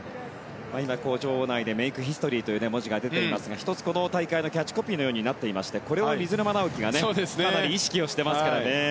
今、場内でメイクヒストリーという文字が出ていますが、１つ、この大会のキャッチコピーのようになっていましてこれを水沼尚輝がかなり意識をしてますからね。